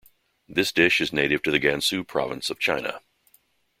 This dish is native to the Gansu province of China.